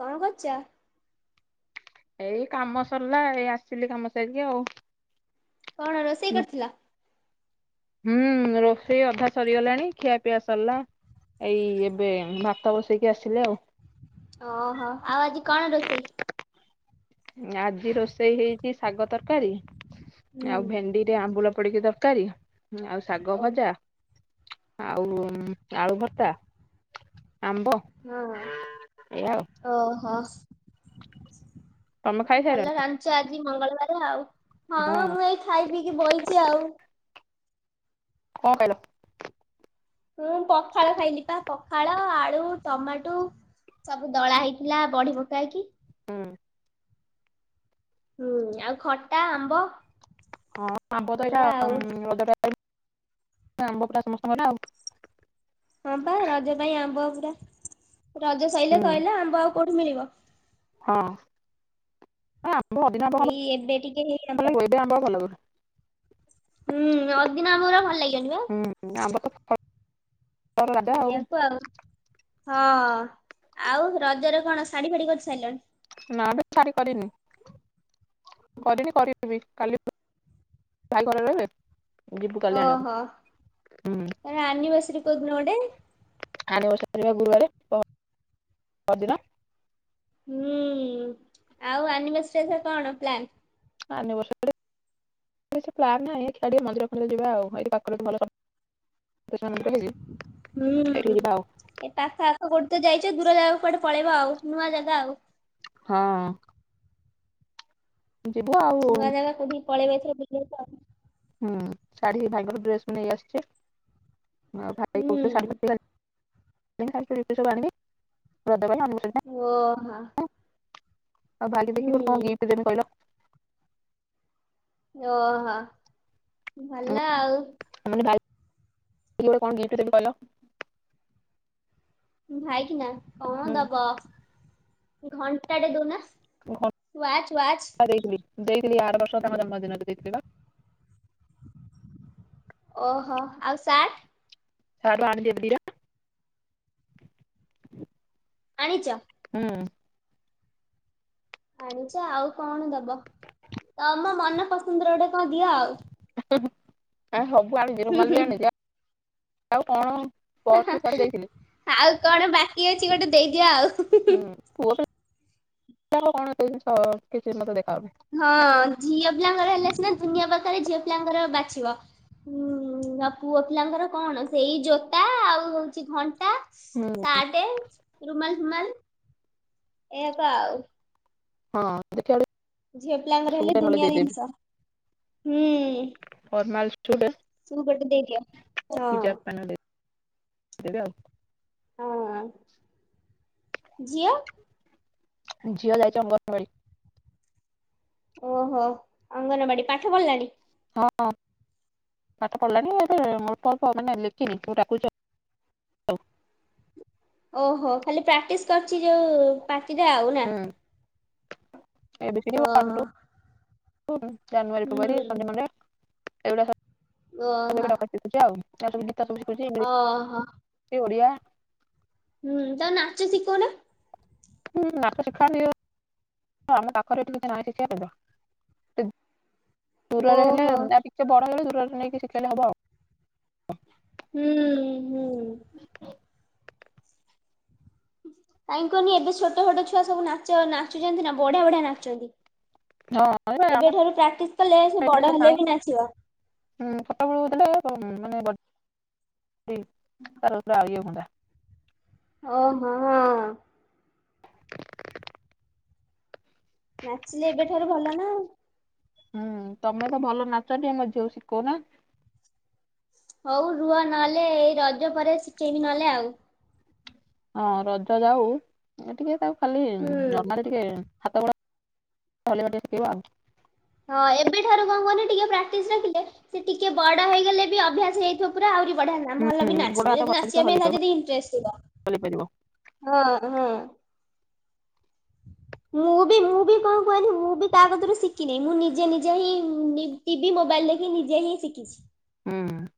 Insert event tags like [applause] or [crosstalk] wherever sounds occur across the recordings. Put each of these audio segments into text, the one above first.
କଣ କରୁଚ? ଏଇ କାମ ସରିଲା ଏଇ ଆସିଲି କାମ ସାରିକି ଆଉ। କଣ ରୋଷେଇ କରିଥିଲ? ହୁଁ ରୋଷେଇ ଅଧା ସରିଗଲାଣି ଖିଆ ପିଆ ସରିଲା। ଏଇ ଏବେ ଭାତ ବସେଇକି ଆସିଲେ ଆଉ। ଓହୋ ଆଉ ଆଜି କଣ ରୋଷେଇ? ଆଜି ରୋଷେଇ ହେଇଛି ଶାଗ ତରକାରୀ। ହୁଁ ଆଉ ଭେଣ୍ଡି ରେ ଆମ୍ବୁଳ ପଡିକି ତର ତରକାରୀ ଆଉ ଶାଗ ଓ ଭଜା। ଆଉ ଆଳୁ ଭତ୍ତା, ଆମ୍ୱ। ହଁ ଓହୋ। ତମେ ଭଲ ଖାଇସାରିଲଣି ରାନ୍ଧୀଛ ଆଜି ମଙ୍ଗଳବାର ଆଉ। ବୋଉ। ହେଇ ଖାଇ ପିଇକି ବଇଚି ଆଉ। କଣ ଖାଇଲ? ମୁଁ ପଖାଳ ଖାଇଲି ପା ପଖାଳ ଆଳୁ, ଟମାଟୁ। ସବୁ ଦଳା ହେଇଥିଲା ବଢି ପକାହେଇକି। ହୁଁ। ହୁଁ ଆଉ ଖଟା, ଆମ୍ବ। ଏଇଆ ଆଉ। [unintelligible] ହଁ ବା ରଜ ପାଇଁ ଆମ୍ବ ପୁରା ରଜ ସଇଲେ ହୁଁ ସଇଲା। ଆମ୍ବ ଆଉ କୋଉଠି ମିଳିବ। ହଁ ଏଇ ଏବେ ଟିକେ ହେଇ ଆମ୍ବ। [unintelligible] ହୁଁ ଅଦିନ ଆମ୍ବ ଗୁରା ଭଲ ଲାଗିବନି ବା। ହୁଁ ଆମ୍ୱ ତ ଫଳର ରାଜା ସେଆକୁୁ ଆଉ ହଁ ଆଉ ରଜରେ କଣ ଶାଢୀ ଫାଢି କରି ସାରିଲଣି? ନା ଏବେ ଶାଢି କରିନି। କରନି କରିବି କାଲି [unintelligible] ଯିବୁ କାଲି ଓହୋ। ଆଣିବାକୁ ହୁଁ ଆନିବର୍ସରୀ କେଉଦିନ ଗୋଟେ? ଆନିବର୍ସରୀ ଗୁରୁବାରେ ପରଦିନ। ହୁଁ ଆଉ ଆନିଵର୍ସରୀ ଏଥର କଣ ପ୍ଲାନ୍? ଆନିର୍ବସରୀ। [unintelligible] [unintelligible] ସେଇଠିକି ହୁଁ ଯିବା ଆଉ ଏ ପାଖ ଆଖ କୋଉଟି ତ ଯାଇଛ ଦୂର ଜାଗାକୁ କୁଆଡେ ପଳେଇବ ଆଉ ନୂଆ ଜାଗା ଆଉ। ହଁ। ଯିବୁ ଆଉ। ନୂଆ ଜାଗା କୋଉଠିକୁ ପଳେଇବେ ଏଥର ବୁଲିବାକୁ। ହୁଁ ଶାଢୀ ଭାଇଙ୍କର ଡ୍ରେସ୍ ନେଇ ଆସିଛି। ହୁଁ [unintelligible] [unintelligible] ଓହୋ। ଆଉ ବାଲି ଦେଖିଲ ହୁଁ କଣ ଗିଫ୍ଟ କହିଲ? ଓହୋ ଭଲ ଆଉ। [unintelligible] ଭାଇ କି ନା। କଣ ହୁଁ ଦବ? ଘଣ୍ଟାଟେ ଦଉନା ୱାଚ୍ -ୱାଚ୍। ଦେଇ ଥିଲି ଆରବର୍ଷ ତାଙ୍କ ଜନ୍ମଦିନ ରେ ପା। ଓହୋ ଆଉ ସାର୍ଟ। [unintelligible] ଆଣିଛ। ହୁଁ। ଆଣିଚ ଆଉ କଣ ଦବ, ତମ ମନ ପସନ୍ଦର ଗୋଟେ କଣ ଦିଅ ଆଉ। [unintelligible] ସବୁ ଆଣିଚି, ହୁଁ ରୁମାଲ ବି ହୁଁ ଆଣିଚି ଆଉ କଣ ପର୍ସ ବି ଥରେ ହେଁ-ହେଁ, ଦେଇଥିଲି ଆଉ କଣ ବାକି ଅଛି ଗୋଟେ ଦେଇଦିଅ ଆଉ। [inaudible] ଏତେ ଜିନିଷ କିଛି ମତେ ଦେଖା ଯାଉନି। ହଁ, ଝିଅ ପିଲାଙ୍କର ହେଲେ ସିନା ଦୁନିଆ ପ୍ରକାର ଝିଅ ପିଲାଙ୍କର ବାଛିବ। ହୁଁ, ଆଉ ପୁଅ ପିଲାଙ୍କର କଣ ସେଇ ଜୋତା ଆଉ ହଉଛି ଘଣ୍ଟା ହୁଁ ସାଟେ, ରୁମାଲ୍ ଫୁମାଲ୍ ଏୟା ତ ଆଉ। ହଁ, ଦେଖିଆ [unintelligible] ଝିଅ ପିଲାଙ୍କର ହେଲେ ଦୁନିଆ ଜିନିଷ, ହୁଁ। ତୁ ଗୋଟେ ଦେଇଦିଅ। ହଁ [inaudible] ହଁ, ଝିଅ? ଝିଅ ଯାଇଚି ଅଙ୍ଗନବାଡି। ଓହୋ ଅଙ୍ଗନବାଡି, ପାଠ ପଢ଼ିଲାଣି? ହଁ ପାଠ ପଢିଲାଣି [unintelligible] ଅଳ୍ପ-ଅଳ୍ପ ମାନେ ଲେଖିନି ସବୁ ଡାକୁଚି ଆଉ। ଓହୋ, ଖାଲି ପ୍ରାକ୍ଟିସ୍ କରୁଚି ଯୋଉ ପାଟିରେ ଆଉ ନା। ହୁଁ, ଏବିସିଡି ୱାନ୍ ଓହୋ। ଟୁ ଜାନୁଆରୀ, ଫେବୃଆରୀ, ହୁଁ ସଣ୍ଡେ, ମଣ୍ଡେ ଏଗୁଡା ସବୁ ଓହୋ [unintelligible] ଶିଖୁଚି ଆଉ, ଏ ସବୁ ଗୀତ ସବୁ ଶିଖୁଚି ଓହୋ ଇଂଲିଶ୍ ଓଡ଼ିଆ ହୁଁ, ତାକୁ ନାଚ ସିକୋଉନା। ହୁଁ, ନାଚ ଶିଖାନ୍ତି ଆମ ପାଖରେ ଏଠି କିଛି ନାହିଁ ଶିଖିଆ ପାଇଁ ତ। ଦୂରରେ ହେଲେ ଓହୋ ଆ ଟିକେ ବଡ ହେଇଗଲେ ଦୂରରେ ନେଇକି ଶିଖେଇଲେ ହବ ଆଉ। ହୁଁ -ହୁଁ। କାଇଁ କହନି ଏବେ ଛୋଟ-ଛୋଟ ଛୁଆ ସବୁ ନାଚ ନାଚୁଚନ୍ତି ନା, ବଢିଆ-ବଢିଆ ନାଚନ୍ତି। ହଁ ଏ ଆମ ଏବେଠାରୁ ପ୍ରାକ୍ଟିସ୍ କଲେ, ସେ ଏଠି ବଡ ତ ହେଲେ ନାହିଁ ବି ନାଚିବ। [inaudible] ଓ ହଁ। ନାଚିଲେ ଏବେଠାରୁ ଭଲ ନା। ହୁଁ, ତମେ ତ ଭଲ ନାଚ ଟିକେ ଆମ ଝିଅକୁ ଶିକୋଉନା। ହଉ ରୁହ ନହେଲେ ଏଇ ରଜ ପରେ ଶିଖେଇବି ନହଲେ ଆଉ। ହଁ ରଜ ଯାଉ, ଏ ଟିକେ ତାକୁ ଖାଲି ହୁଁ। ନର୍ମାଲି- ଟିକେ ହାତ ଗୋଡ଼ ହଲେଇବା ଟିକେ ସିକେଇବ ଆଉ। ହଁ, ଏବେଠାରୁ କଣ କୁହନି ଟିକେ ପ୍ରାକ୍ଟିସ୍ ରଖିଲେ ସେ ଟିକେ ବଡ ହେଇଗଲେ ବି ଅଭ୍ୟାସ ହେଇଥିବ ପୁରା ଆହୁରି ବଢିଆ ନା, ଭଲ ବି ହୁଁ ଗୋଡ ନାଚିବ ହାତ ଯଦି ଭଲସେ ନଚିଆ ପାଇଁ ହଲେଇବ ତାର ଯଦି ଇଣ୍ଟ୍ରେଷ୍ଟ ଥିବ। ହଲେଇ ପାରିବ ହଁ- ହଁ। ମୁଁ ବି ମୁଁ ବି କଣ କୁହନି ମୁଁ ବି କା କତିରୁ ଶିକିନେଇଁ, ମୁଁ ନିଜେ-ନିଜେ ହିଁ ନି- ଟିବି ମୋବାଇଲ୍ ଦେଖି ନିଜେ ହିଁ ଶିକିଛି। ହୁଁ।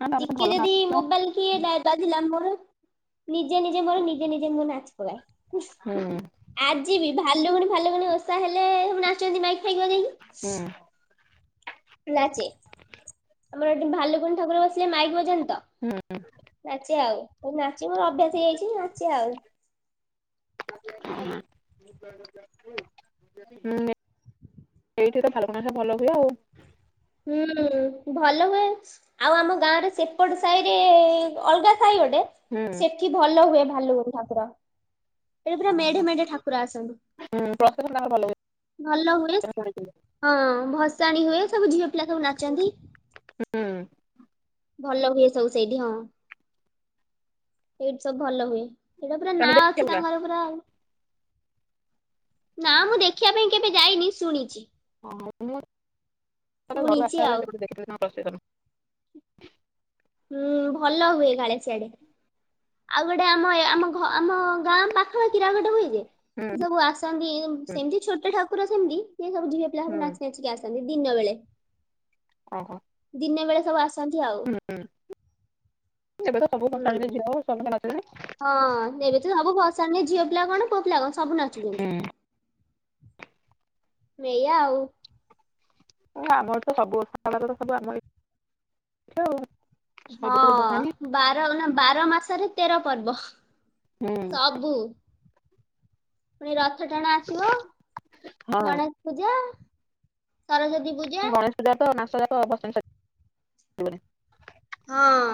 ନା ତମେ ତ ଟିକେ ଭଲ ଯଦି ନାଚୁଛ ମୋବାଇଲ୍ [unintelligible] ବାଜିଲା, ମୋର ନିଜେ-ନିଜେ ମୋର ନିଜେ-ନିଜେ ମୁଁ ନାଚେ। ହୁଁ [inaudible] ଆଜି ବି ଭାଲୁକୁଣି ଫାଲୁକୁଣୀ ଓଷା ହେଲେ ନାଚନ୍ତି ମାଇକ୍ ଫାଇକ୍ ବଜାଇକକି। ହୁଁ। ନାଚେ ଆମର ଏଠି ଭାଲୁକୁଣୀ ଠାକୁର ବସିଲେ ମାଇକ୍ ବଜାନ୍ତି ତ। ହୁଁଁ। ନାଚେ ଆଉ, ନାଚି ମୋର ଅଭ୍ୟାସ୍ ହେଇଯାଇଚି ନାଚେ ଆଉ। [inaudible] ହଁ ଏଇଠି ତ ଭାଲୁକୁଣୀ ଭଲ ହୁଏ ଆଉ। ହୁଁ ଭଲ ହୁଏ ଆଉ ଆମ ଗାଁରେ ସେପଟ ସାହିରେ ଅଲଗା ସାଇ ଗୋଟେ ହୁଁ। ସେଠି ଭଲ ହୁଏ ଭାଲୁକୁଣୀ ଠାକୁର। ଏଇଠି ପୁରା ମେଢେ ମେଢେ ଠାକୁର ଆସନ୍ତି। [unintelligible] ଭଲ ହୁଏ [unintelligible] ମୁଁ ଶୁଣିଥିଲି ହଁ ଭସାଣି ହୁଏ ସବୁ ଝିଅ ପିଲା ସବୁ ନାଚନ୍ତି। ହୁଁ। ଭଲ ହୁଏ ସବୁ ସେଇଠି ହଁ ସେଇଠି ସବୁ ଭଲ ହୁଏ। ଏଇଟା ପୁରା ତମେ ନାଁ ଅଛି ଦେଖିବାକୁ ଯାଅ। ତାଙ୍କର ପୁରା ଆଉ ନା ମୁଁ ଦେଖିବା ପାଇଁ କେବେ ଯାଇନି ଶୁଣିଛି। ହଁ ମୁଁ ଘ ଆସିଲା ଶୁଣିଛି ବେଳେ ଆଉ ଯୋଉଠି ଦେଖିବିିନ ପ୍ରସେସନ। ହୁଁ ଭଲ ହୁଏ କାଳି ସିଆଡେ। ଆଉ ଗୋଟେ ଆମ ଏ ଆମ ଘ ଆମ ଗାଁ ପାଖ କୀରା ଗୋଟେ ହୁଏ ଯେ ସେ ହୁଁ। ସବୁ ଆସନ୍ତି। ସେମିତି ଛୋଟ ଠାକୁର ସେମିତି, ସିଏ ସବୁ ଝିଅ ପିଲା ସବୁ ହୁଁ ନାଚି ନାଚିକି ଆସନ୍ତି ଦିନ ବେଳେ। ଓହୋ। ଦିନେ ବେଳେ ସବୁ ଆସନ୍ତି ଆଉ। ହୁଁ। ଏବେ ତ ସବୁ [inaudible] ହୁଁ ହଁ ଏବେ ତ ସବୁ ଭଶାଣିରେ ଝିଅ ପିଲା କଣ ପୁଅ ପିଲା କଣ ସବୁ ନାଚୁଚନ୍ତି। ନାଚୁଛନ୍ତି। ଏଇଆ ଆଉ। ହଁ ଆମର ତ ସବୁ [inaudible] ସବୁ ଆମରଉ ହଁ ବାର ନା ବାର ମାସରେ ତେର ପର୍ବ। ହୁଁ ସବୁ। ପୁଣି ରଥ ଟଣା ଆସିବ। ହଁ। ଗଣେଶ ପୂଜା ସରସ୍ଵତୀ ପୂଜା। ଗଣେଶ ପୂଜାଟ ମାସ ଯାକ [inaudible] ସରିବନି। ହଁ।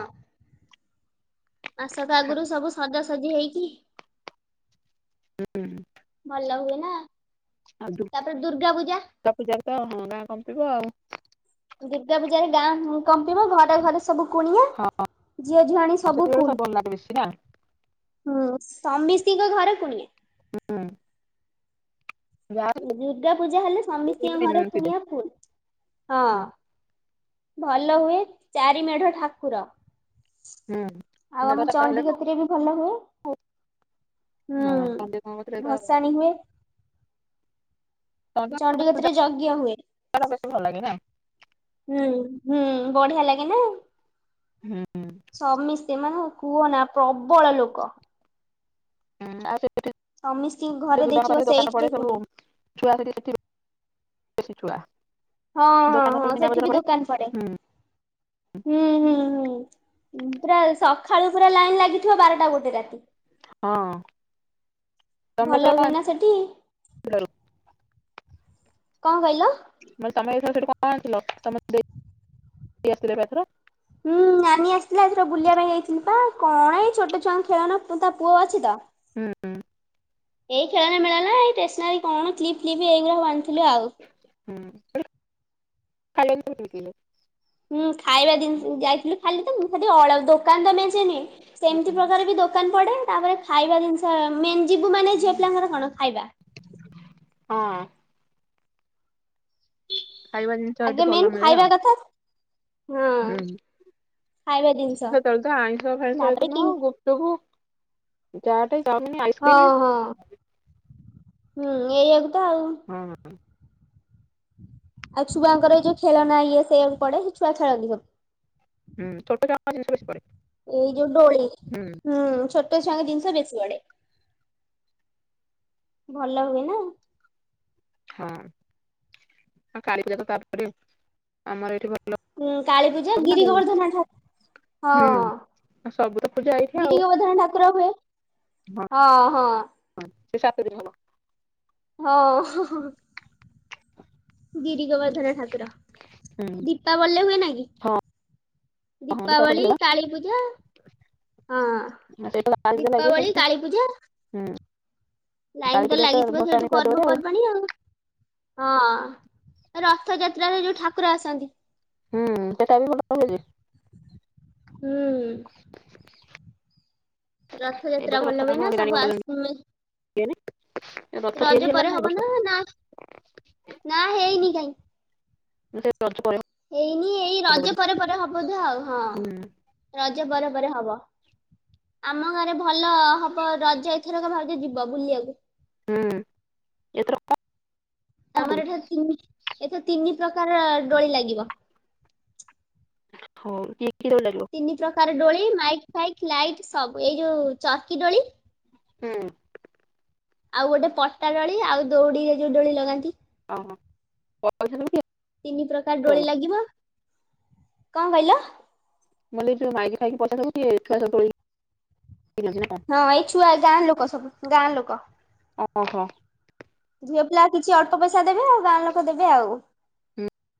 ମାସକ ଆଗରୁ ସବୁ ସଜାସଜି ହେଇକି ହୁଁ। ଭଲ ହୁଏ ନା। ଆ ତାପରେ ଦୁର୍ଗା ପୂଜା ତା [inaudible] ପୂଜାରେ ତ ହଁ ଗାଁ କମ୍ପିବ ଆଉ ଦୁର୍ଗା ପୂଜାରେ ଗାଁ କମ୍ପିବ ଘରେ ଘରେ ସବୁ କୁଣିଆ ହଁ ଝିଅଝୁଆଣୀ ସବୁ ଫୁଲ୍। ବେଶୀ ନା [inaudible] ହୁଁ ସମିସ୍ତିଙ୍କ ଘରେ କୁଣିଆ। ହୁଁ। ଯାହା ଦୁର୍ଗା ପୂଜା ହେଲେ ସମିସ୍ତିଙ୍କ ଘରେ ଥିବେ। କୁଣିଆ ଫୁଲ୍। ହଁ ଭଲ ହୁଏ ଚାରି ମେଢ ଠାକୁର। ଆଉ ଆମ ଦିନଟା ଚାରିଟା ହେଲେ ଚଣ୍ଡି ନା କତିରେ ବି ଭଲ ହୁଏ। ଆଉ ହଁ ସନ୍ଧ୍ୟା କଣ କରୁଥିଲେ ତ ହୁଁ ଭସାଣି ହୁଏ। ଚଣ୍ଡିଗତିରେ ଯଜ୍ଞ ହୁଏ। [inaudible] ବେଶୀ ଭଲ ଲାଗେନା? ହୁଁ ହୁଁ ବଢିଆ ଲାଗେନା। ହୁଁ। ସମୀସ୍ତେ ମାନେ କୁହନା ପ୍ରବଳ ଲୋକ। ହୁଁ ଆଉ ସେପଟେ ସମିସ୍ତିଙ୍କ ଘରେ ଦୂର୍ଗାଙ୍କ ଦେଖିବ ପାଖରେ ଦୋକାନ ସେଇଥିରେ ପଡେ ସବୁ। କୁଣିଆ ଛୁଆ ସେଠି ଦେଖିବେ ବେସି ଛୁଆ। ହଁ ହଁ ଦୋକାନ ସବୁ ହଁ ମୀନା ସେଠି ବଜାର ବି ଦୋକାନ ପଡେ। ହୁଁ ହୁଁ ହୁଁ ପୁରା ସକାଳୁ ପୁରା ଲାଇନ ଲାଗିଥିବ ବାରଟା ଗୋଟେ ଜାକେ। ହଁ ତମେ ଏଥର ଭଲ କଣ ହୁଏନା ସେଠି। ଆଣିଥିଲ କଣ କଇଲ। ମୁଁ କହିଲି ତମେ ଜାଇଥିଲ ସେଠୁ କଣ ଆଥିଲ ତମେ ଦେ ଇ ଆସିଥିଲେ ବା ଏ ଥର। ହୁଁ ନାନୀ ଆସିଥିଲା ଏଥର ବୁଲିବା ପାଇଁ ଯାଇଥିଲି ପା କଣ ଏଇ ଛୋଟ ଛୁଆଙ୍କ ଖେଳନା ତା ପୁଅ ଅଛି ତ ହୁଁଁ ଏଇ ଖେଳନା ମେଳନା ଏଇ ଟେସ୍ନାରୀ କଣ କ୍ଲିପ୍ ଫ୍ଲିପ୍ ଏଇଗୁରା ସବୁ ଆଣିଥିଲୁ ଆଉ। [unintelligible] ହୁଁ ଖାଇବା ଦିନିସ ଯାଇଥିଲୁ ଖାଲି ତ ମୁଁ ହେଠି ଅଳ ଦୋକାନ ତ ମେଞ୍ଚେ ନୁହେଁ। ସେମିତି ପ୍ରକାର ବି ଦୋକାନ ଦୋକାନ ପଡେ ତାପରେ ଖାଇବା ଜିନିଷ ମେନ୍ ଯିବୁ ମାନେ ଝିଅ ପିଲାଙ୍କର କଣ ଖାଇବା। ହଁ ଖାଇବା ଜିନିଷ ଏଠି ଭଲ ମିଳେ ଆଉ। ହୁଁ ସେତେବେଳେ ତ ଆଇଁଷ ଫାଇଁଷ ତାପରେ ଏତେ କି ନ ଗୁପଚୁପ ଚାଟ ଚାଓମିନ୍ ଆଇସ ହଁ ହଁ ହୁଁ ଏଇଆକୁ ତ ଆଉ। ହୁଁ ହୁଁ ଆଉ ଛୁଆଙ୍କର ଏଯୋଉ ଖେଳ ନା ଇଏ ସେଇଆକୁ ପଡେ ସେ ଛୁଆ ଖେଳନ୍ତି ସବ ହୁଁ ଛୋଟ ଛୁଆଙ୍କ ଜିନସ ବେଶୀ ପଡେ। ହୁଁ ହୁଁ ଛୋଟ ଚୁଆଙ୍କ ଜିନିଷ ବେଶୀ ବଡେ। ଭଲ ହୁଏ ନା। କାଳି ପୂଜା ତ ତାପରେ ଆମର ଏଇଠି ଭଲ ଉଁ କାଳୀ ପୂଜା ହୁଏ ଗିରି ଆଉ ଗୋବରର୍ଦ୍ଧନ ଠା ହଁ ସବୁ ତ ପୂଜା ଏଇ ଗିରି ଗୋବରର୍ଦ୍ଧନ ଠାକୁର ହଁ ହୁଏ। ସେ ସାତ ଦିନ ହବ ହଁ ହୋ ହୋ ଗିରି ଗୋବରର୍ଦ୍ଧନା ଠାକୁର ହୁଁ ଦୀପାବଳୀ ରେ ହୁଏନା କି? ହଁ ହଁ ଦୀପାବଳି ହୁଏ କାଳୀପୂଜା। ବା ସେଇଟା ଲାଗେ ଦୀପାବଳି ସବୁ କାଳୀପୂଜା। ହୁଁ ଲାଇନ କାଳୀ ତ ପୂଜା ଲାଗିଥିବ ଭସାଣି ସେଇଠୁ ପୁରା ଜୋରେ ପର୍ବପର୍ବାଣି ଆଉ। ରଥଯାତ୍ରାରେ ଯୋଉ ଠାକୁର ଆସନ୍ତି। ହୁଁ ସେଟା ବି ଭଲ ହୁଏ ଯେ। ହୁଁ ଏ ରଥଯାତ୍ରା ବର୍ଷ ଭଲ ରଥ ହୁଏ କାମ ନା [unintelligible] ସବୁ ରଥ ଆସ ରଜ ତିଆରି ପରେ ହେଲାଣି ନା ହବ ହେଇନି? ନା ହେଇନି କାଇଁ। [unintelligible] ହେଇନି ଏଇ ହବ ରଜ ବୋଧେ ପରେ ପରେ ହବ ଧେ ଆଉ ହଁ ହୁଁ ରଜ ପରେ ପରେ ହବ। ଆମ ଗାଁରେ ଭଲ ହବ ରଜ ଏଥରକ ଭାଉଜ ଯିବ ବୁଲିଆକୁ। ହୁଁ, ଏଥରକ ଆମର ଏଠାରେ ତିନି ଏଥର ତିନି ପ୍ରକାର ଡୋଳି ଲାଗିବ। ହଉ କି କି ଦୋଳି ଲାଗିବ? ତିନି ପ୍ରକାର ଡୋଳି ମାଇକ୍ ଫାଇକ୍ ଲାଇଟ୍ ସବୁ, ଏଇ ଯୋଉ ଚରକି ଦୋଳି। ହଁ। ଆଉ ଗୋଟେ ପଟାଡୋଳି ଆଉ ଦଉଡିରେ ଯୋଉ ଡୋଳି ଲଗାନ୍ତି। ଓ ହଁ [inaudible] ତିନି ପ୍ରକାର ଡୋଳି ଲାଗିବ। କଣ କହିଲ? ମୁଁ କହିଲି ଏଇ ଯୋଉ ମାଇକି ଫାଇକି ପଇସା ସବୁ କିଏ ଛୁଆ ସବୁ ଠୋଳେଇ ହଁ ଏଇ ଛୁଆ ଗାଁ ଲୋକ ସବୁ ଗାଁ ଲୋକ। ଓହୋ। ଝିଅ ପିଲା କିଛି ଅଳ୍ପ ପଇସା ଦେବେ, ଆଉ ଗାଁ ଲୋକ ଦେବେ ଆଉ।